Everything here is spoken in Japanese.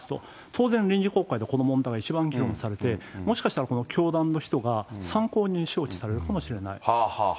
当然、臨時国会でこの問題、一番議論されて、もしかしたら教団の人が、参考人招致されるかもしれない。